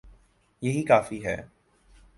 یہی کافی ہے۔